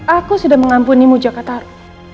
aku sudah mengampunimu jakataru